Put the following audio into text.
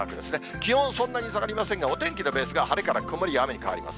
気温、そんなに下がりませんが、お天気のベースが晴れから曇りや雨に変わります。